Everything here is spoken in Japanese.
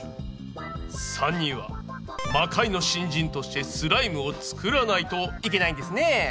３人は魔界の新人としてスライムを作らないといけないんですねぇ。